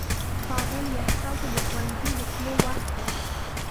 ښاغلیه! ستاسو د ښوونځي د تلو وخت دی.